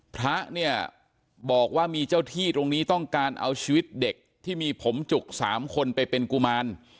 พระเนี่ยบอกว่ามีเจ้าที่ตรงนี้ต้องการเอาชีวิตเด็กที่มีผมจุก๓คนไปเป็นกุมาร